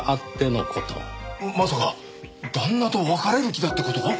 まさか旦那と別れる気だって事か？